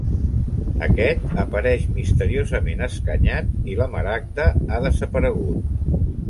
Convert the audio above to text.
Aquest apareix misteriosament escanyat i la maragda ha desaparegut.